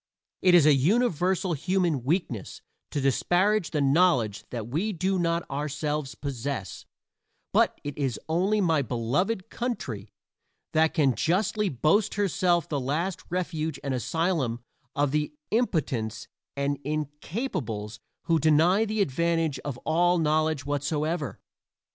It is a universal human weakness to disparage the knowledge that we do not ourselves possess, but it is only my own beloved country that can justly boast herself the last refuge and asylum of the impotents and incapables who deny the advantage of all knowledge whatsoever.